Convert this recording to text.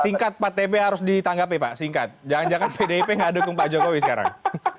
singkat pak t b harus ditanggapi pak singkat jangan jangan pdip tidak mendukung pak jokowi sekarang